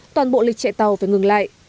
toàn bộ lịch chạy tàu phải ngừng lại